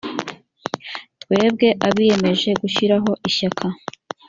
twebwe abiyemeje gushyiraho ishyaka.